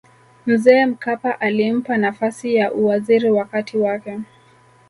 mzee mkapa alimpa nafasi ya uwaziri wakati wake